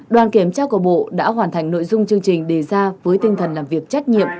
đoàn kiểm tra của bộ đã hoàn thành nội dung chương trình đề ra với tinh thần làm việc trách nhiệm